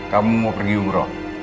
kamu mau pergi umroh